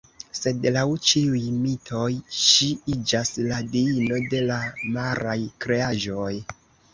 Sed laŭ ĉiuj mitoj ŝi iĝas la diino de la maraj kreaĵoj.